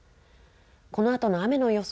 このあとの雨の予想